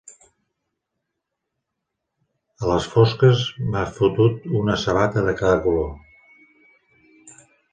A les fosques, m'he fotut una sabata de cada color.